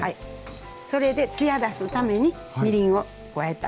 それでつや出すためにみりんを加えたいです。